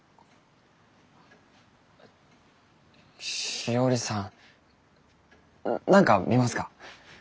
しおりさん何か見ますか？